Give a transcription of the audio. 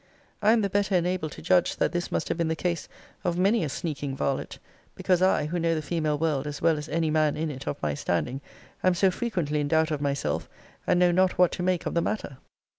I am the better enabled to judge that this must have been the case of many a sneaking varlet; because I, who know the female world as well as any man in it of my standing, am so frequently in doubt of myself, and know not what to make of the matter.